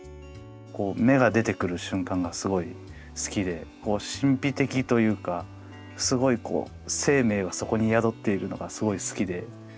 こう芽が出てくる瞬間がすごい好きで神秘的というかすごいこう生命がそこに宿っているのがすごい好きで。